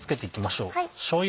しょうゆ。